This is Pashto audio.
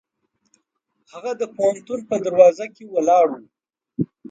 هغه د پوهنتون په دروازه کې ولاړ و.